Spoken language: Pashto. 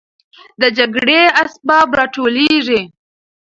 د جګړې اسباب راټولېږي.